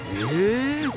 へえ。